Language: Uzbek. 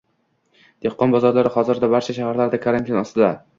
Dehqon bozorlari hozirda barcha shaharlarda karantin ostida